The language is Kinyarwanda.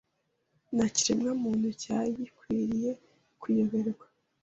Nta kiremwamuntu cyari gikwiriye kuyoberwa